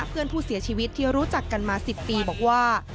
เพื่อนผู้เสียชีวิตที่รู้จักกันมา๑๐ปีบอกว่า